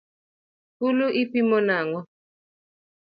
Fulu ipimo nang’o?